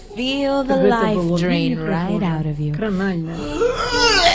Гэта было вельмі прыгожа, кранальна.